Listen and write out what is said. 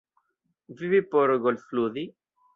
Vivi por golfludi?